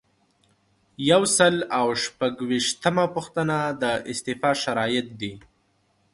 یو سل او شپږ ویشتمه پوښتنه د استعفا شرایط دي.